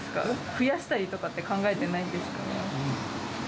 増やしたりとか考えてないんですか？